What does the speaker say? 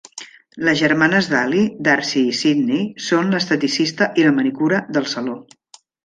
Les germanes d'Allie, Darcy i Sydney, són l'esteticista i la manicura del saló.